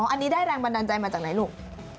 อันนี้ได้แรงบันดาลใจมาจากไหนลูก